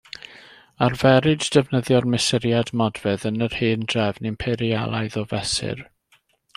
Arferid defnyddio'r mesuriad modfedd yn yr hen drefn Imperialaidd o fesur.